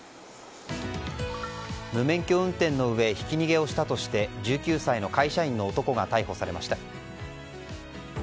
無免許運転のうえひき逃げをしたとして、１９歳の会社員の男が逮捕されました。